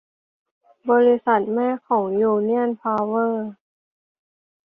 บริษัทแม่ของยูเนี่ยนเพาเวอร์